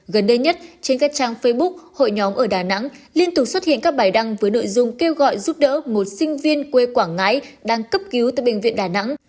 gần đây nhất trên các trang facebook hội nhóm ở đà nẵng liên tục xuất hiện các bài đăng với nội dung kêu gọi giúp đỡ một sinh viên quê quảng ngãi đang cấp cứu tại bệnh viện đà nẵng